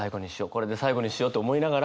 これで最後にしようって思いながら。